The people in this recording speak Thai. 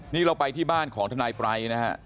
นี่เราไปที่บ้านของทนายปรายนะฮะ